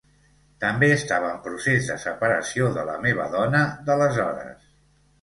També estava en procés de separació de la meva dona d’aleshores.